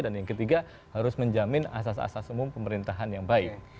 dan yang ketiga harus menjamin asas asas umum pemerintahan yang baik